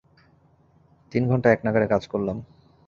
তিন ঘন্টা একনাগাড়ে কাজ করলাম।